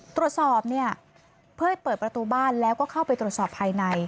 ตรวจสอบเนี่ยเพื่อให้เปิดประตูบ้านแล้วก็เข้าไปตรวจสอบภายใน